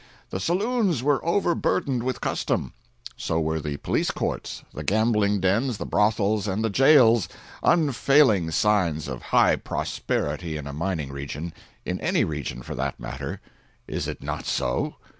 The saloons were overburdened with custom; so were the police courts, the gambling dens, the brothels and the jails—unfailing signs of high prosperity in a mining region—in any region for that matter. Is it not so?